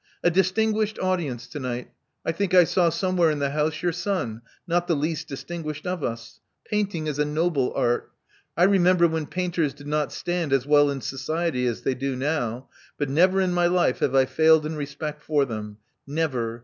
"A distinguished audience, to night. I think I saw some where in the house, your son, not the least dis tinguished of us. Painting is a noble art. I remember when painters did not stand as well in society as they do now ; but never in my life have I failed in respect for them. Never.